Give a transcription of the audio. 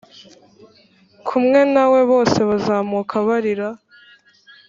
kumwe na we bose bazamuka barira,